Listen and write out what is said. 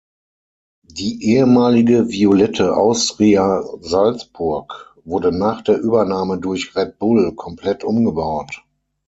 Die ehemalige violette Austria Salzburg wurde nach der Übernahme durch Red Bull komplett umgebaut.